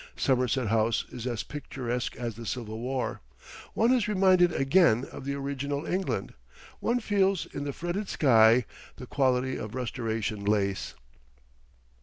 Somerset House is as picturesque as the civil war, one is reminded again of the original England, one feels in the fretted sky the quality of Restoration Lace.